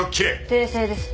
訂正です。